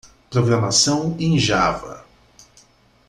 Programação em Java.